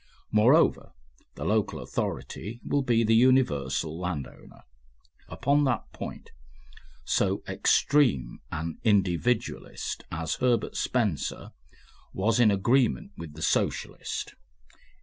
Moreover, the local authority will be the universal landowner. Upon that point so extreme an individualist as Herbert Spencer was in agreement with the Socialist.